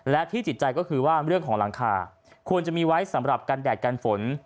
และที่จิตใจก็คือว่าเรื่องของหลังคาควรจะมีไว้สำหรับกันแดดกันฝน